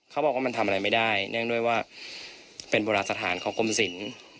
เขาบอกว่ามันทำอะไรไม่ได้เนื่องด้วยว่าเป็นโบราณสถานของกรมศิลป์